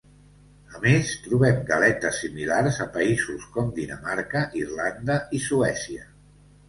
A més, trobem galetes similars a països com Dinamarca, Irlanda i Suècia.